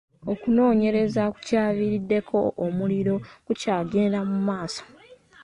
Okunoonyereza ku kyaviiriddeko omuliro kukyagenda mu maaso.